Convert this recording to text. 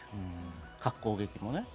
核攻撃もね。